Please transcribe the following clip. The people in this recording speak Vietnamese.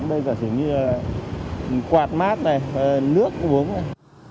bây giờ chỉ như quạt mát này nước uống này